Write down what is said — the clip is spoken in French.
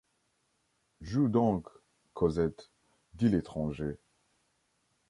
Joue donc, Cosette, dit l’étranger.